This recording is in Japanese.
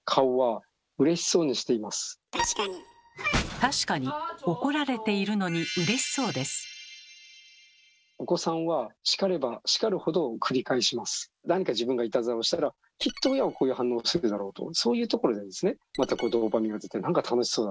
確かに怒られているのに何か自分がいたずらをしたらきっと親はこういう反応をするだろうとそういうところでですねまたドーパミンが出て「なんか楽しそうだ。